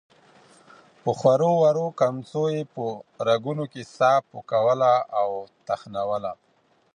په خورو ورو کمڅو يې په رګونو کې ساه پوکوله او تخنوله.